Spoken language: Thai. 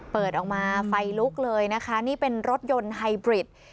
เปิดออกมาไฟลุกเลยนะคะนี่เป็นรถยนต์ไฮบริด